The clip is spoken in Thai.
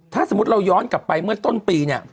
ถ้าสมมุติเราย้อนกลับไปเมื่อต้นปีเนี่ย